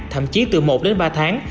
thậm chí từ một đến ba tháng